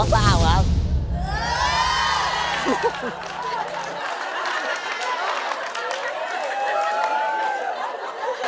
เพราะสาวครับ